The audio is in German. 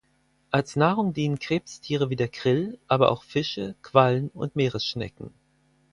Als Nahrung dienen Krebstiere wie der Krill, aber auch Fische, Quallen und Meeresschnecken.